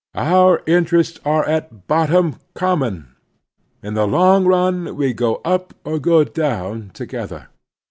Our interests are at bottom conunon; in the long nm we go up or go down together.